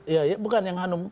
iya bukan yang hanum